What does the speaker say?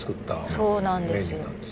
そうなんです。